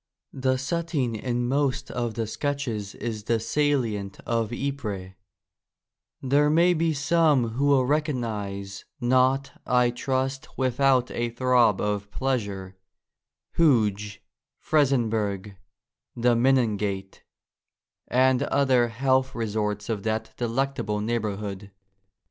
The setting in most of the sketches is the salient of Ypres : there may be some who will recognise — not, I trust, without a throb of pleasure — Hooge, Frizenburg, the Menin gate, and other health resorts of that de lectable neighbourhood.